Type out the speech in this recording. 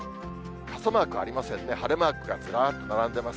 傘マークありませんね、晴れマークがずらっと並んでます。